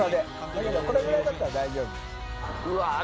だけどこれぐらいだったら大丈夫。